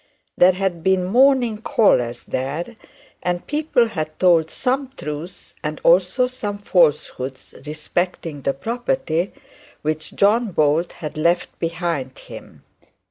There had been morning callers there, and people had told some truth and also some falsehood respecting the property which John Bold had left behind him.